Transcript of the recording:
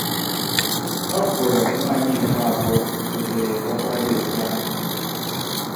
Ọ bụ nwanyị nke abụọ nwetara ọkwa dị otú ahụ.